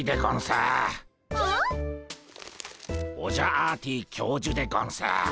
ピ？オジャアーティ教授でゴンス。